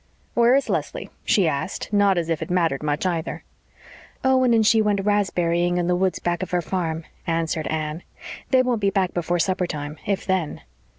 "Where is Leslie?" she asked not as if it mattered much either. "Owen and she went raspberrying in the woods back of her farm," answered Anne. "They won't be back before supper time if then."